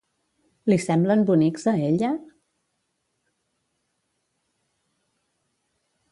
Li semblen bonics a ella?